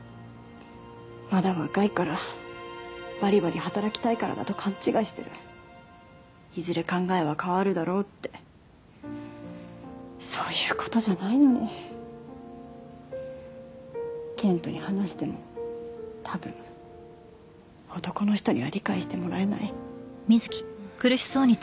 まだ若いからバリバリ働きたいからだと勘違いしてるいずれ考えは変わるだろうってそういうことじゃないのに健人に話しても多分男の人には理解してもらえない